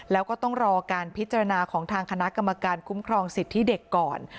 แล้วก็ต้องรอการพิจารณาของทางคณะกรรมการคุ้มครองสิทธิเด็กก่อน